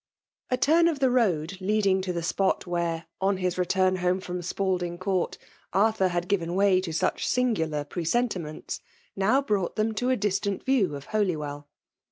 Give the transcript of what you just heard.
*'.• v A turn of the road leading to the spot where, on hie return home from Spalding Ck>urt, ArtliUr had given way to such singidar presentiments, now brought them to a distattt view of Holywell.